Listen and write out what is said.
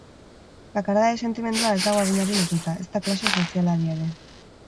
Bakardade sentimendua ez dago adinari lotuta, ezta klase sozialari ere.